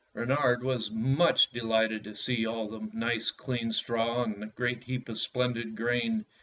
Reynard was much delighted to see all the nice clean straw and the great heap of splendid grain.